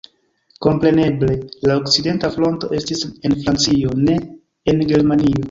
Kompreneble, la okcidenta fronto estis en Francio, ne en Germanio.